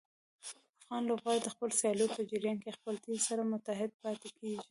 افغان لوبغاړي د خپلو سیالیو په جریان کې خپل ټیم سره متحد پاتې کېږي.